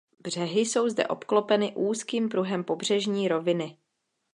Břehy jsou zde obklopeny úzkým pruhem pobřežní roviny.